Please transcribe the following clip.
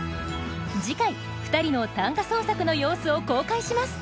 次回２人の短歌創作の様子を公開します。